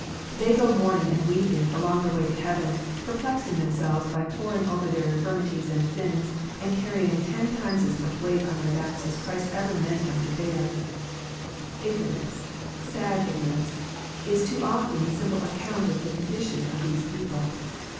They go mourning and weeping along the way to heaven, perplexing themselves by poring over their infirmities and sins, and carrying ten times as much weight on their backs as Christ ever meant them to bear. Ignorance, sad ignorance, is too often the simple account of the condition of these people.